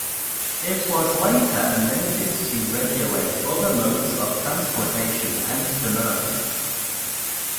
It was later amended to regulate other modes of transportation and commerce.